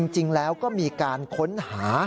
จริงแล้วก็มีการค้นหา